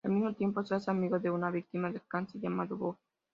Al mismo tiempo, se hace amigo de una víctima del cáncer llamada Bob.